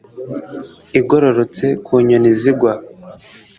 igororotse, ku nyoni zigwa